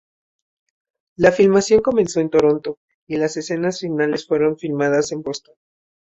La filmación comenzó en Toronto y las escenas finales fueron filmadas en Boston.